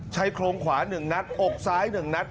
ชายโครงขวา๑นัดอกซ้าย๑นัด